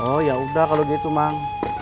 oh yaudah kalau gitu mang